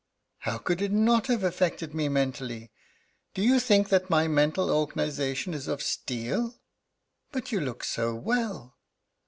"How could it not have affected me mentally? Do you think that my mental organization is of steel?" "But you look so well?"